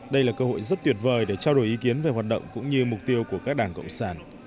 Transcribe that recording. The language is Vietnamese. đây là cơ hội rất tuyệt vời để trao đổi ý kiến về hoạt động cũng như mục tiêu của các đảng cộng sản